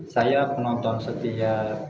saya penonton setiap